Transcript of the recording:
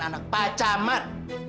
anak pak camat